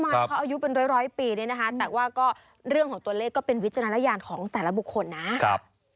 เขาอายุเป็นร้อยปีเนี่ยนะคะแต่ว่าก็เรื่องของตัวเลขก็เป็นวิจารณญาณของแต่ละบุคคลนะครับ